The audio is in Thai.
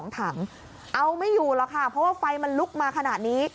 ถังเอาไม่อยู่หรอกค่ะเพราะว่าไฟมันลุกมาขนาดนี้